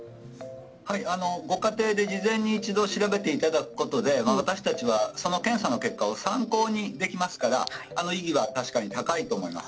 ご家庭で事前に調べていただくことで私たちは、検査の結果を参考にできますから意義は高いと思います。